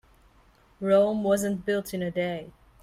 Rome wasn't built in a day.